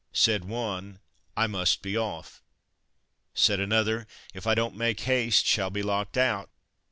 Said one, "I must be off." Said another, "If I don't make haste shall be locked out."